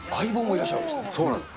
そうなんです。